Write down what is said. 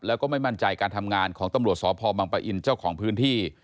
แล้วก็ไม่มั่นใจการทำงานของตำรวจสพบังปะอินเจ้าของพื้นที่